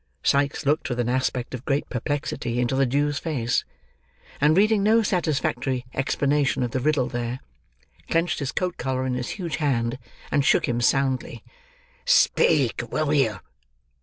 Sikes looked with an aspect of great perplexity into the Jew's face, and reading no satisfactory explanation of the riddle there, clenched his coat collar in his huge hand and shook him soundly. "Speak, will you!"